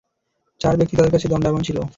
চার ব্যক্তি তাদের কাছে দণ্ডায়মান ছিল।